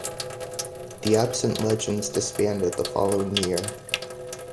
The Absent Legends disbanded the following year.